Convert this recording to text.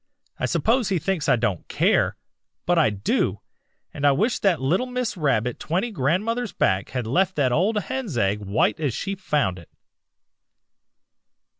I suppose he thinks I don't care, but I do, and I wish that little Miss Rabbit twenty grandmothers back had left that old hen's egg white as she found it.'